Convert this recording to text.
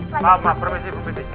maaf maaf permisi mbak mirna